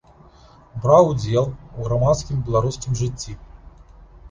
Браў удзел у грамадскім беларускім жыцці.